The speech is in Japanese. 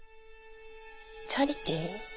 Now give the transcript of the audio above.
チャリティ？